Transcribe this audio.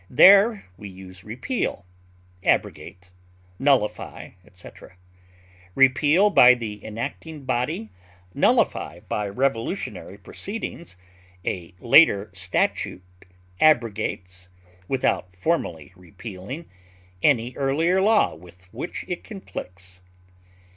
There we use repeal, abrogate, nullify, etc.: repeal by the enacting body, nullify by revolutionary proceedings; a later statute abrogates, without formally repealing, any earlier law with which it conflicts.